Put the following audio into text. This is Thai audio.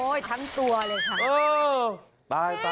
โอ๊ยทั้งตัวเลยค่ะ